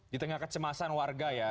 di tengah kecemasan warga ya